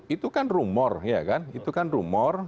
itu kan rumor ya kan itu kan rumor